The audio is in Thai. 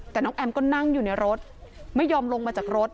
แต่น้องแอมก็นั่งอยู่ในรถไม่ยอมลงมาจากรถ